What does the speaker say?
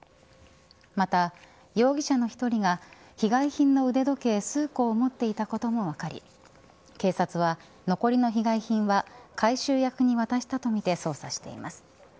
また、容疑者の１人が被害品の腕時計数個を持っていたことが分かり警察は、残りの被害品は回収役に渡したとみて捜査しています。